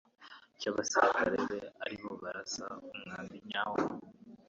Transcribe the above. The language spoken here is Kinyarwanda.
cy'abasirikare be ari bo barasa umwambi nyawo”.